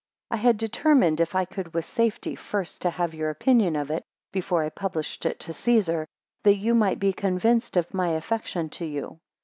4 I had determined, if I could with safety, first to have your opinion of it, before I published it to Caesar, that you might be convinced of my affection to you.